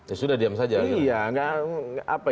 ya sudah diam saja